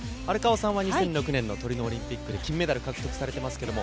荒川さんは２００６年のトリノオリンピックで金メダルを獲得されました。